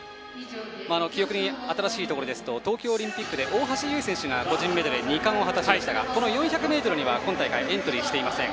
記憶に新しいところですと東京オリンピックで大橋悠依選手が個人メドレー２冠を果たしましたがこの４００ｍには、今大会エントリーしていません。